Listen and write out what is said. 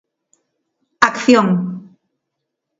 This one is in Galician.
Acción.